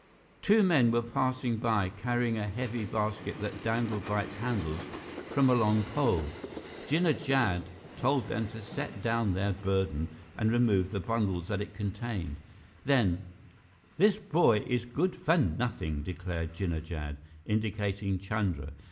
Two men were passing by, carrying a heavy basket that dangled by its handles from a long pole. Jinnah Jad told them to set down their burden and remove the bundles that it contained. Then: "This boy is good for nothing," declared Jinnah Jad, indicating Chandra.